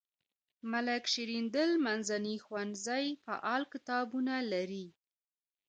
ملک شیریندل منځنی ښوونځی فعال کتابتون لري.